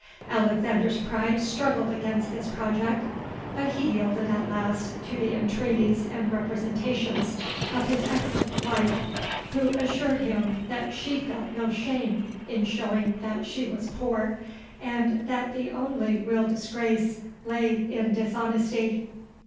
Alexander's pride struggled against this project; but he yielded at last to the entreaties and representations of his excellent wife, who assured him that she felt no shame in showing that she was poor, and that the only real disgrace lay in dishonesty.